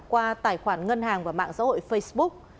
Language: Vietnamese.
qua tài khoản ngân hàng và mạng xã hội facebook